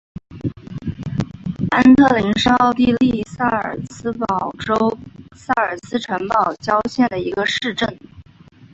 安特灵是奥地利萨尔茨堡州萨尔茨堡城郊县的一个市镇。